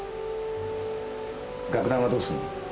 楽団はどうするの？